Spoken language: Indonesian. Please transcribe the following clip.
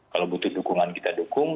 kalau butuh dukungan kita dukung